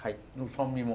酸味も。